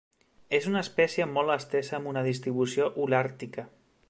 És una espècie molt estesa amb una distribució Holàrtica.